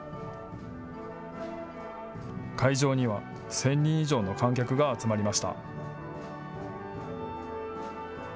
会場には１０００人以上の観客が集まりました。